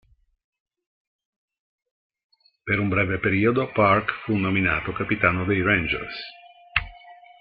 Per un breve periodo Park fu nominato capitano dei Rangers.